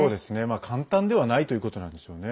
簡単ではないということなんでしょうね。